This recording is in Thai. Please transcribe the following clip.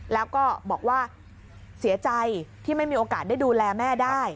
แล้วก็บอกว่าเสียใจที่ไม่มีโอกาสได้ดูแลแม่ได้